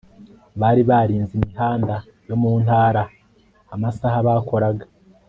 bari barinze imihanda yo mu ntara, amasaha bakoraga